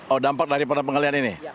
oh dampak daripada pengalian ini